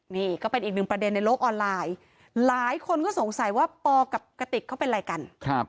นี่ก็เป็นอีกหนึ่งประเด็นในโลกออนไลน์หลายคนก็สงสัยว่าปอกับกติกเขาเป็นอะไรกัน